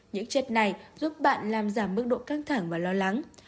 những chất này giúp bạn làm giảm mức độ căng thẳng và lo lắng